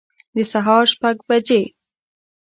د سهار شپږ بجي